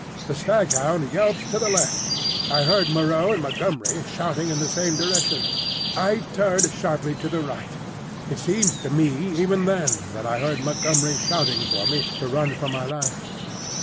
The staghound yelped to the left. I heard Moreau and Montgomery shouting in the same direction. I turned sharply to the right. It seemed to me even then that I heard Montgomery shouting for me to run for my life.